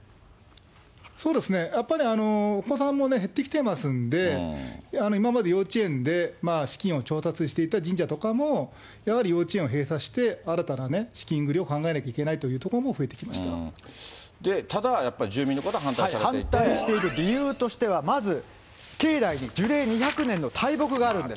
そうですね、やっぱりお子さんも減ってきてますんで、今まで幼稚園で資金を調達していた神社とかも、やはり幼稚園を閉鎖して、新たな資金繰りを考えなきゃいけないというところも増えてきましただ、やっぱり住民の方は反反対している理由としては、まず境内に樹齢２００年の大木があるんです。